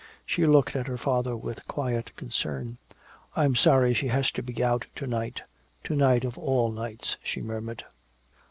She looked at her father with quiet concern. "I'm sorry she has to be out to night to night of all nights," she murmured.